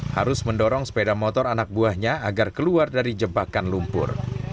harus mendorong sepeda motor anak buahnya agar keluar dari jebakan lumpur